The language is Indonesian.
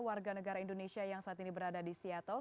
warga negara indonesia yang saat ini berada di seattle